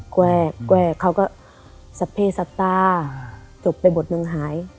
แกรกแกรกเขาก็สับเพศสับตาจบไปบทมึงหาย